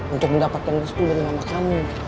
untuk mendapatkan respon dari mama kamu